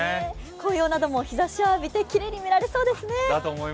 紅葉なども日ざしを浴びてきれいに見られそうですね。